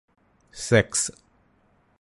sex